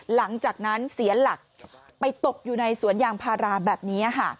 หลังจากนั้นเสียหลักไปตกอยู่ในสวนยางพาราแบบนี้ค่ะ